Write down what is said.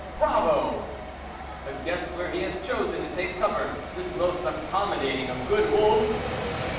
" Bravo !"" But guess where he has chosen to take covert, this most accommodating of good wolves